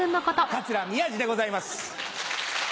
桂宮治でございます。